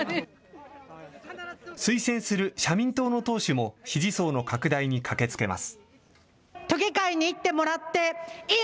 推薦する社民党の党首も支持層の拡大に駆けつけます。